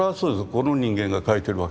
この人間が描いてるわけで。